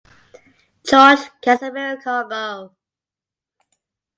Jorge Casimiro Congo.